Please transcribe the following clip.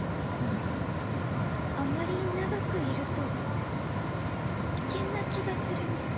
あまり長くいると危険な気がするんです。